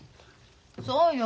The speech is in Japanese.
そうよ。